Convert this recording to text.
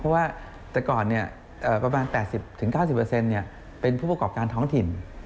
เพราะว่าแต่ก่อนประมาณ๘๐๙๐เป็นผู้ประกอบการท้องถิ่น